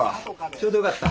ちょうどよかった。